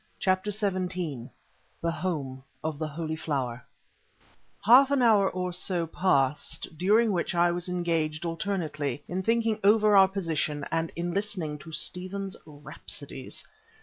CHAPTER XVII THE HOME OF THE HOLY FLOWER Half an hour or so passed, during which I was engaged alternately in thinking over our position and in listening to Stephen's rhapsodies.